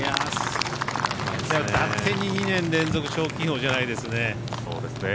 だてに２年連続賞金王じゃないですね。